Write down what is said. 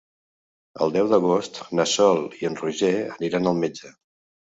El deu d'agost na Sol i en Roger aniran al metge.